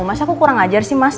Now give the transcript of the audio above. mas aku kurang ajar sih mas